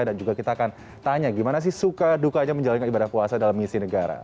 dan juga kita akan tanya gimana sih suka dukanya menjalankan ibadah puasa dalam misi negara